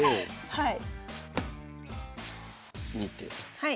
はい。